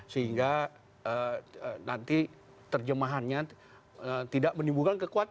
sehingga nanti terjemahannya tidak menimbulkan kekuatan